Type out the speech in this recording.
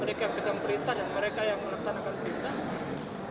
mereka yang pegang berita dan mereka yang melaksanakan berita